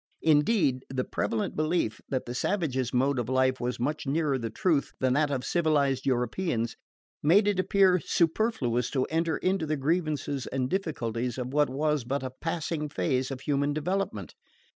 Indeed, the prevalent belief that the savage's mode of life was much nearer the truth than that of civilised Europeans, made it appear superfluous to enter into the grievances and difficulties of what was but a passing phase of human development.